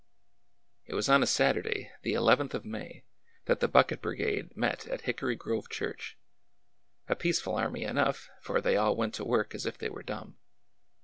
It was on a Saturday, the eleventh of May, that the bucket brigade met at Hickory Grove church,— a peace ful army enough, for they all went to work as if they were dumb.